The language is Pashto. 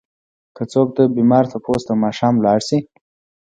که څوک د بيمار تپوس ته ماښام لاړ شي؛